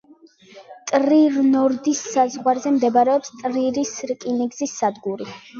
ტრირ–ნორდის საზღვარზე მდებარეობს ტრირის რკინიგზის სადგური.